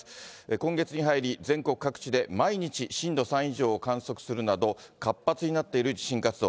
今月に入り、全国各地で毎日、震度３以上を観測するなど、活発になっている地震活動。